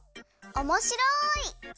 おもしろい！